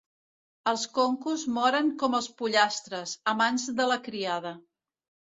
Els concos moren com els pollastres, a mans de la criada.